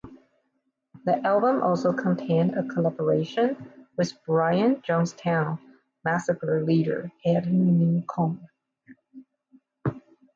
The album also contain a collaboration with Brian Jonestown Massacre leader Anton Newcombe.